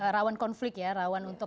rawan konflik ya rawan untuk